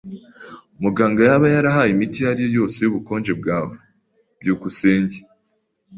Muganga yaba yarahaye imiti iyo ari yo yose y'ubukonje bwawe? byukusenge